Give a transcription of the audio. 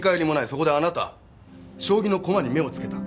そこであなた将棋の駒に目をつけた。